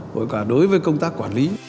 rồi hiệu quả đối với công tác quản lý